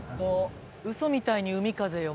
嘘みたいに海風よ